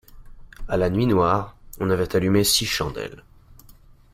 À la nuit noire, on avait allumé six chandelles.